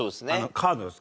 カートです。